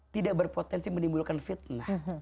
tidak berpotensi menimbulkan fitnah